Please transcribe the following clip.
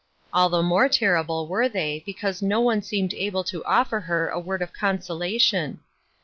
All the more terrible were they because no one seemed able to offer her a word of consolation.